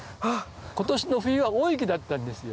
今年の冬は大雪だったんですよ。